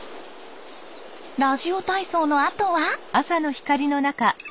ラジオ体操のあとは。